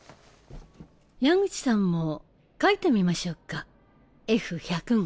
矢口さんも描いてみましょうかＦ１００号。